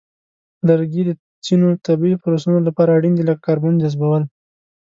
لرګي د ځینو طبیعی پروسو لپاره اړین دي، لکه کاربن جذبول.